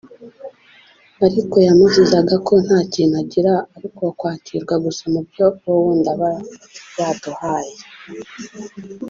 Ariko yamuzizaga ko nta kintu agira ari uwo kwakirwa gusa mu byo uwo wundi aba yaduhaye